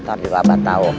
ntar diwabah tau